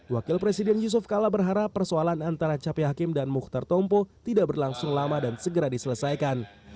wakil presiden yusuf kala berharap persoalan antara capi hakim dan mukhtar tompo tidak berlangsung lama dan segera diselesaikan